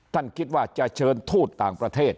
ท่านคิดว่าจะเชิญทูตต่างประเทศ